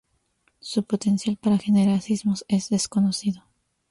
Su potencial para generar sismos es desconocido.